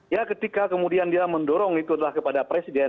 ya ketika kemudian dia mendorong itu adalah kepada presiden